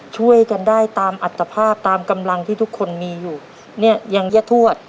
ช่วยกันได้ตามอัตภาพตามกำลังที่ทุกคนมีอยู่เนี่ยยังยะทวด